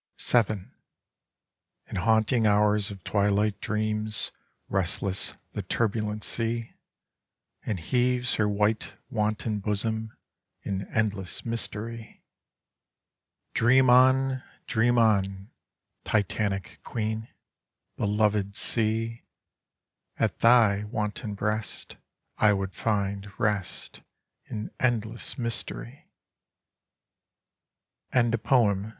VII In haunting hours of twilight dreams restless the turbulent sea, and heaves her white wanton bosom in endless mystery. ( 9 ) Dream on, dream on, titanic oueen, beloved sea. at thy wanton breast, I would find rest in endless mystery. Tanka I Winter?